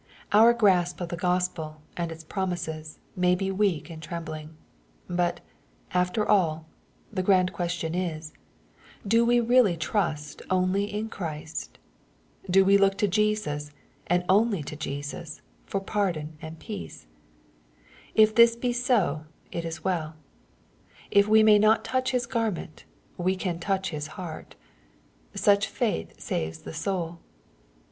Our grasp of the Gospel, and its promises, may be weak and trembling. But, after all, the grand question is, do we really trust only in Christ ? Do we look to Jesus, and only to Jesus, for pardon and peace ? If this be so, it is welL If we may not touch His garment, we can touch His heart Such faith saves the soul.